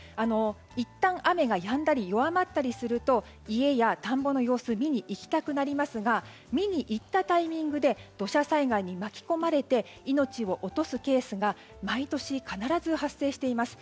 いったん雨がやんだり弱まったりすると家や田んぼの様子見に行きたくなりますが見に行ったタイミングで土砂災害に巻き込まれて命を落とすケースが毎年、必ず発生しています。